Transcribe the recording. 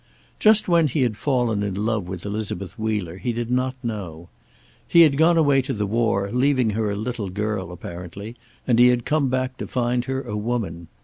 Just when he had fallen in love with Elizabeth Wheeler he did not know. He had gone away to the war, leaving her a little girl, apparently, and he had come back to find her, a woman.